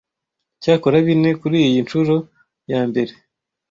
cyakora bine kuriyi nshuro ya mbere